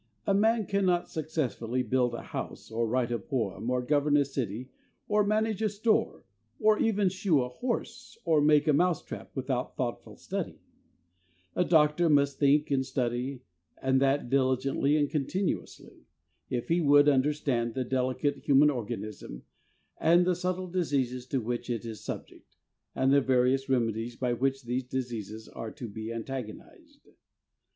A man cannot successfully build a house, or write a poem, or govern a city, or manage a store, or even shoe a horse or make a mouse trap without thoughtful study. STUDIES OF THE SOUL WINNER. 57 A doctor must think and study, and that diligently and continuously, if he would understand the delicate human organism and the subtle diseases to which it is subject, and the various remedies by which these diseases are to be antagonized.